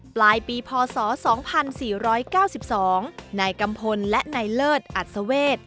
ปลายปีพศ๒๔๙๒นายกัมพลและนายเลิศอัศเวท